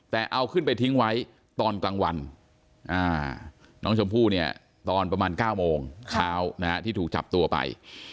แต่เอาขึ้นไปทิ้งไว้ตอนกลางวันน้องชมพู่เนี่ยตอนประมาณ๙โมงเช้าที่ถูกจับตัวไป